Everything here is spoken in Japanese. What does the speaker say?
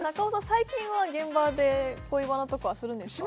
最近は現場で恋バナとかはするんですか？